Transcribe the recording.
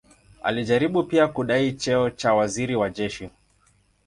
Alijaribu pia kudai cheo cha waziri wa jeshi.